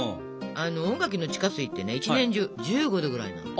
大垣の地下水って一年中１５℃ぐらいなのよ。